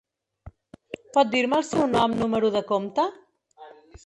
Pot dir-me el seu nom número de compte?